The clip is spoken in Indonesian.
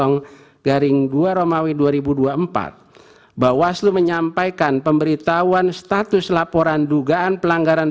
dong garing dua romawi dua ribu dua puluh empat bawaslu menyampaikan pemberitahuan status laporan dugaan pelanggaran